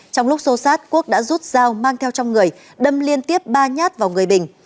trong lúc xô sát quốc đã rút dao mang theo trong người đâm liên tiếp ba nhát vào người bình